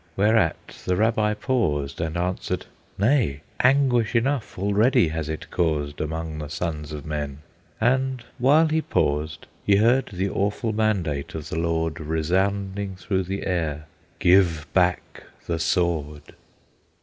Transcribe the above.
Whereat the Rabbi paused, and answered, "Nay! Anguish enough already has it caused Among the sons of men." And while he paused He heard the awful mandate of the Lord Resounding through the air, "Give back the sword!"